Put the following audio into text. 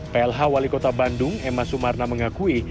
plh wali kota bandung emma sumarna mengakui